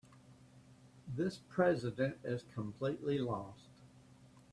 This president is completely lost.